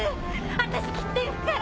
私きっと行くから！